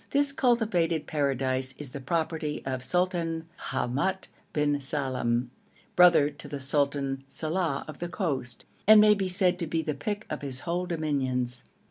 This cultivated paradise is the property of Sultan Ahmet bin Salem, brother to Sultan Saleh of the coast, and may be said to be the pick of his whole dominions.